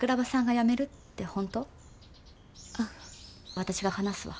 私が話すわ。